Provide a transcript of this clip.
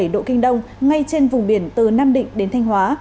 một trăm linh sáu bảy độ kinh đông ngay trên vùng biển từ nam định đến thanh hóa